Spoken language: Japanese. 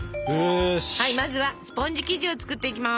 まずはスポンジ生地を作っていきます。